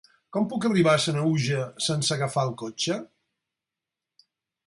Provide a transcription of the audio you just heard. Com puc arribar a Sanaüja sense agafar el cotxe?